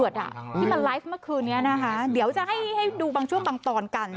ที่มันไลฟ์เมื่อคืนนี้นะคะเดี๋ยวจะให้ดูบางช่วงบางตอนกัน